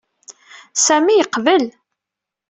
Sami yeqbel.